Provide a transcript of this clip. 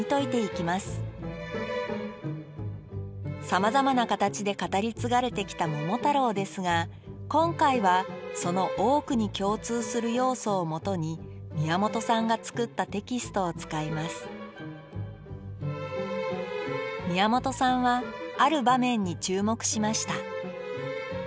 さまざまな形で語り継がれてきた「桃太郎」ですが今回はその多くに共通する要素をもとに宮本さんが作ったテキストを使います宮本さんはある場面に注目しました